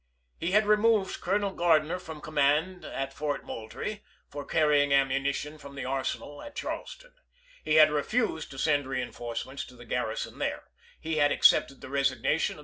He had removed Colonel Gardiner from command at Fort Moultrie, for carrying ammunition from the arsenal at Charleston ; he had refused to send reinforcements to the garrison there ; he had accepted the resignation of 5 ABEAHAM LINCOLN chap. i.